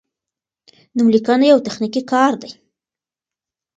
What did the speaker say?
نوملیکنه یو تخنیکي کار دی.